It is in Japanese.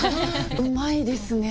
うまいですね。